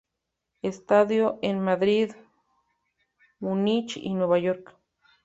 Estudió en Madrid, Munich y Nueva York.